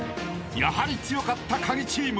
［やはり強かったカギチーム］